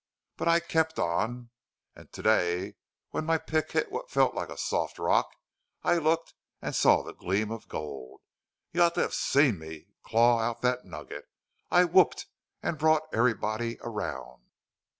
But I kept on. And to day when my pick hit what felt like a soft rock I looked and saw the gleam of gold!... You ought to have seen me claw out that nugget! I whooped and brought everybody around.